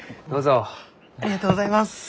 ありがとうございます。